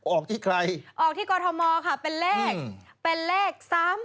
ออกที่ใครออกที่กทมค่ะเป็นเลข๓๖๘๔๐๐